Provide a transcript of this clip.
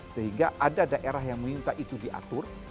sehingga ada daerah yang meminta itu diatur